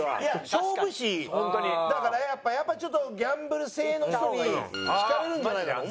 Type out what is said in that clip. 勝負師だからやっぱりちょっとギャンブル性の人に惹かれるんじゃないかと思う。